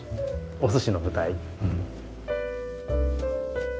お寿司の舞台。